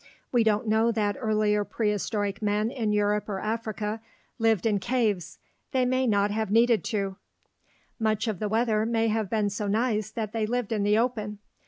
We don't know that earlier prehistoric men in Europe or Africa lived in caves. They may not have needed to; much of the weather may have been so nice that they lived in the open.